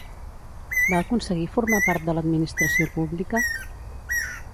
Va aconseguir formar part de l'administració pública?